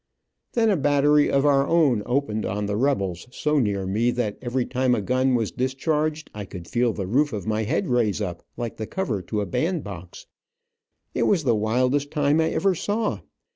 Then a battery of our own opened on the rebels, so near me that every time a gun was discharged I could, feel the roof of my head raise up like the cover to a band box. It was the wildest time I ever saw.